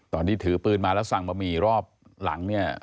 ตอนที่ถือปืนมาแล้วสั่งบะหมี่รอบหลัง